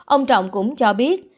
ông trọng cũng cho biết